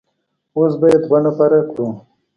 اوس به يې دوه نفره کړو.